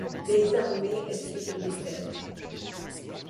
Les armées essuie une défaite.